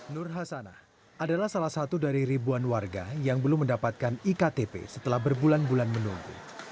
nur hasanah adalah salah satu dari ribuan warga yang belum mendapatkan iktp setelah berbulan bulan menunggu